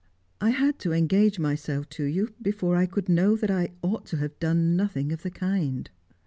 I had to engage myself to you before I could know that I ought to have done nothing of the kind."